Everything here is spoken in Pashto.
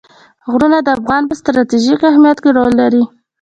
غرونه د افغانستان په ستراتیژیک اهمیت کې رول لري.